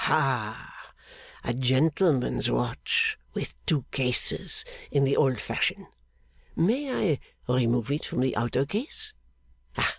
Hah! A gentleman's watch with two cases in the old fashion. May I remove it from the outer case?